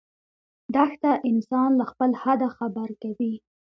دښته انسان له خپل حده خبر کوي.